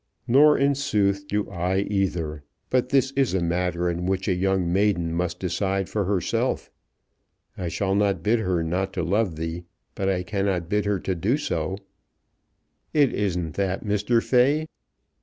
Nor in sooth do I either; but this is a matter in which a young maiden must decide for herself. I shall not bid her not to love thee, but I cannot bid her to do so." "It isn't that, Mr. Fay.